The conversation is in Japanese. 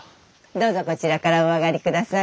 どうぞこちらからお上がりください。